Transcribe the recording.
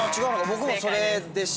僕もそれでした。